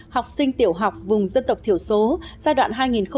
học sinh tiểu học vùng dân tộc thiểu số giai đoạn hai nghìn một mươi sáu hai nghìn hai mươi